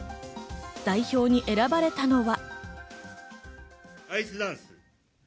代表に選ばれたのは。